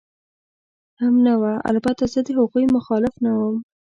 هم نه وه، البته زه د هغوی مخالف نه ووم.